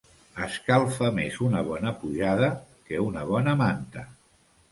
Escalfa més una bona pujada que una bona manta.